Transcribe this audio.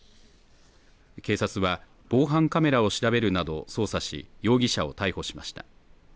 警察は防犯カメラを調べるなど捜査し容疑者を逮捕しました。